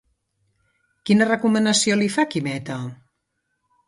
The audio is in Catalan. Quina recomanació li fa Quimeta?